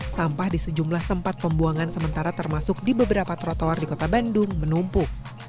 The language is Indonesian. sampah di sejumlah tempat pembuangan sementara termasuk di beberapa trotoar di kota bandung menumpuk